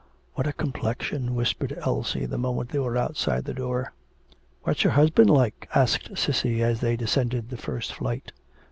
'What a complexion,' whispered Elsie the moment they were outside the door. 'What's her husband like?' asked Cissy as they descended the first flight.